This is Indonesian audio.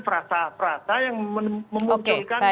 frasa frasa yang memunculkan